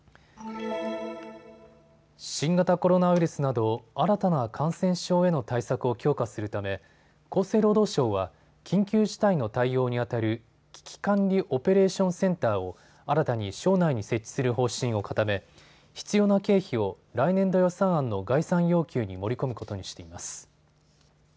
新型コロナウイルスなど新たな感染症への対策を強化するため厚生労働省は緊急事態の対応にあたる危機管理オペレーションセンターを新たに省内に設置する方針を固め必要な経費を来年度予算案の概算要求に盛り込むことにしています。